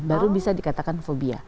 baru bisa dikatakan fobia